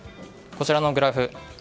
こちらのグラフ